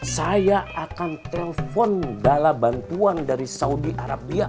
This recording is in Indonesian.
saya akan telpon bala bantuan dari saudi arabia